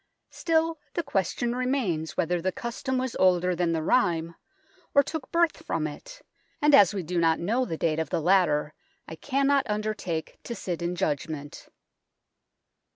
Still, the question remains whether the custom was older than the rhyme, or took birth from it, and as we do not know the date of the latter I cannot undertake to sit in judgment.